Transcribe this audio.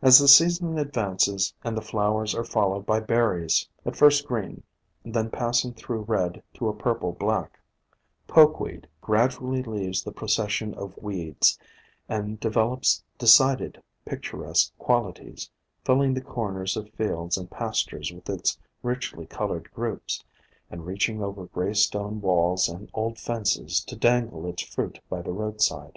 As the season advances and the flowers are followed by berries, at first green, then passing through red to a purple black, Poke weed gradually leaves the procession of weeds, and devel ops decided picturesque qualities, filling the corners of fields and pastures with its richly colored groups, and reaching over gray stone walls and old fences to dangle its fruit by the roadside.